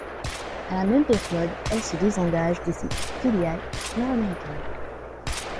À la même période, elle se désengage de ses filiales nord-américaines.